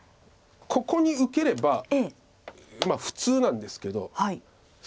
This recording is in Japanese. ここに受ければ普通なんですけど。